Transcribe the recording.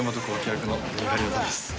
役の三浦太です